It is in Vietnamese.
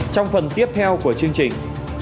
trong phần tiếp theo của chương trình